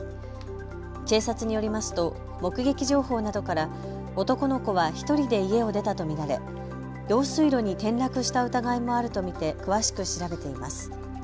警察によりますと目撃情報などから男の子は１人で家を出たと見られ用水路に転落した疑いもあると見て詳しく調べています。